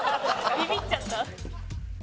ビビっちゃった？